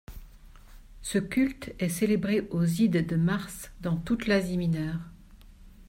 Ce culte est célébré aux Ides de mars dans toute l'Asie Mineure.